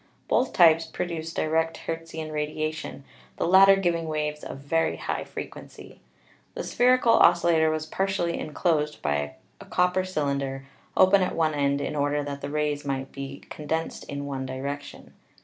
Both types produced direct Hertzian radiation, the latter giving waves of very high frequency. The spherical oscillator 3 22 ELECTRICITY was partially enclosed in a copper cylinder, open at one end in order that the rays might be condensed in one direction.